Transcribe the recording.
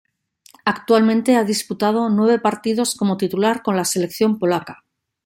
Actualmente ha disputado nueve partidos como titular con la selección polaca.